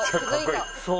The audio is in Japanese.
そう。